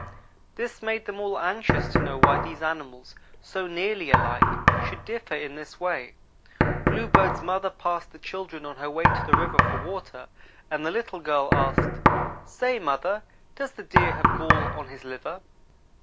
This made them all anxious to know why these animals, so nearly alike, should differ in this way. Bluebird's mother passed the children on her way to the river for water, and the little girl asked: "Say, mother, does the Deer have gall on his liver?"